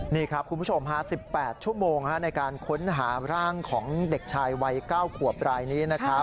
นี่ครับคุณผู้ชม๑๘ชั่วโมงในการค้นหาร่างของเด็กชายวัย๙ขวบรายนี้นะครับ